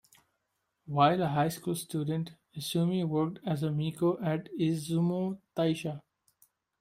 While a high school student, Esumi worked as a miko at Izumo-taisha.